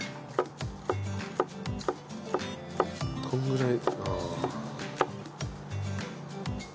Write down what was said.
このぐらい？